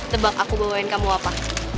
tebak aku bawain kamu apa